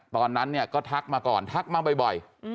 ตอนนั้นเนี่ยก็ทักมาก่อนทักมาบ่อย